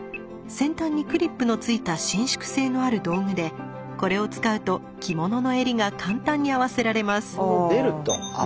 先端にクリップの付いた伸縮性のある道具でこれを使うと着物の襟が簡単に合わせられます。